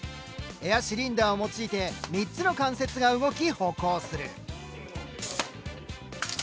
エアシリンダーを用いて３つの関節が動き歩行する。